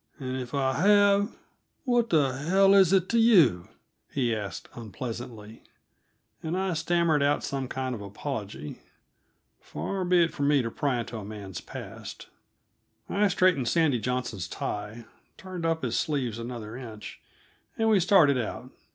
"And if I have what the hell is it to you?" he asked unpleasantly, and I stammered out some kind of apology. Far be it from me to pry into a man's past. I straightened Sandy Johnson's tie, turned up his sleeves another inch, and we started out.